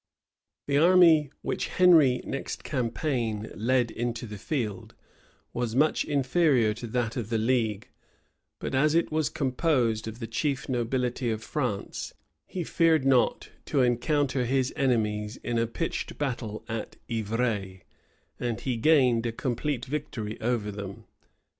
The army which Henry, next campaign, led into the field, was much inferior to that of the league; but as it was composed of the chief nobility of France, he feared not to encounter his enemies in a pitched battle at Yvrée, and he gained a complete victory over them.